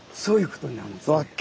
そういうことになるんですね。